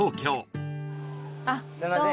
すいません